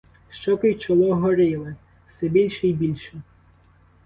Щоки й чоло горіли все більше й більше.